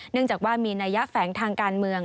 เนื่องจากว่ามีนัยยะแฝงทางการเมือง